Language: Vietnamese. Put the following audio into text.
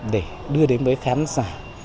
để đưa đến với khám giả